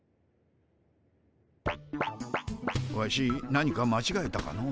ワシ何かまちがえたかの？